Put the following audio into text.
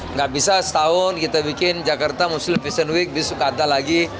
nggak bisa setahun kita bikin jakarta muslim fashion week besok ada lagi